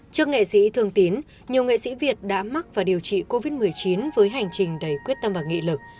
trước nghệ sĩ thường tín nhiều nghệ sĩ việt đã mắc và điều trị covid một mươi chín với hành trình đầy quyết tâm và nghị lực